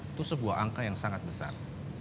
itu sebuah angka yang sangat besar